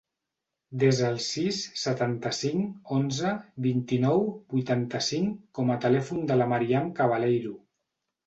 Desa el sis, setanta-cinc, onze, vint-i-nou, vuitanta-cinc com a telèfon de la Maryam Cabaleiro.